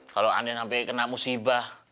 kalo aneh sampe kena musibah